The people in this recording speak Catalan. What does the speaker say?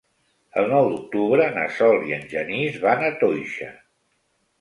El nou d'octubre na Sol i en Genís van a Toixa.